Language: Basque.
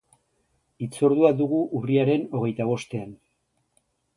Hitzordua dugu urriaren hogeita bostean.